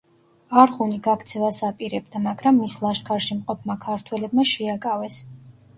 არღუნი გაქცევას აპირებდა, მაგრამ მის ლაშქარში მყოფმა ქართველებმა შეაკავეს.